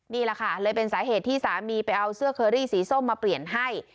นี่แหละค่ะเลยเป็นสาเหตุที่สามีไปเอาเสื้อเคอรี่สีส้มมาเปลี่ยนให้